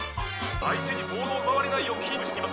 相手にボールを奪われないようキープしています。